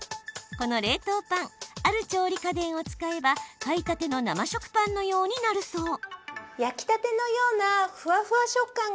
この冷凍パンある調理家電を使えば買いたての生食パンのようになるそう。